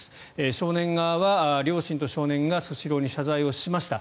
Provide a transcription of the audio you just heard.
少年側は両親と少年がスシローに謝罪をしました。